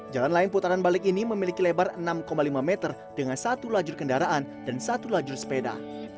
jalan lain putaran balik ini memiliki lebar enam lima meter dengan satu lajur kendaraan dan satu lajur sepeda